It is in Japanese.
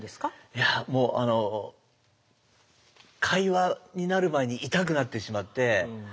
いやもう会話になる前に痛くなってしまって。